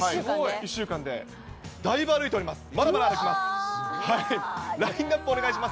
１週間で、だいぶ歩いております。